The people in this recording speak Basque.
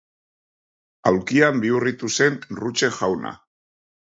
Aulkian bihurritu zen Ruche jauna.